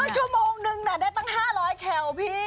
ชั่วโมงนึงได้ตั้ง๕๐๐แคลพี่